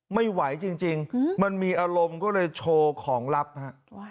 ไม่ไหวจริงมันมีอารมณ์ก็เลยโชว์ของลับฮะ